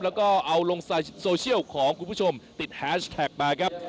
แล้วก็เอาลงโซเชียลของคุณผู้ชมติดแฮชแท็กมาครับ